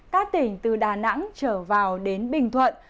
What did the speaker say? các tỉnh từ đà nẵng trở vào đến bình thuận